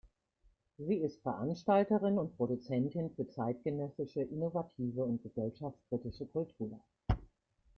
Sie ist Veranstalterin und Produzentin für zeitgenössische, innovative und gesellschaftskritische Kultur.